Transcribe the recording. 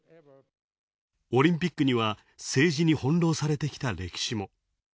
オリンピックには、政治に翻弄されてきた歴史も。